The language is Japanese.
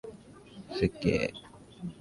すっげー！